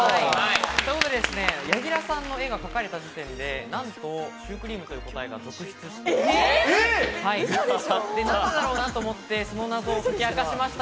柳楽さんの絵が描かれた時点でなんとシュークリームという答えが続出していました。